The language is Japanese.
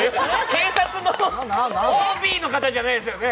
警察のＯＢの方じゃないですよね？